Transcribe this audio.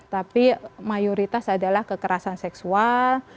tapi mayoritas adalah kekerasan seksual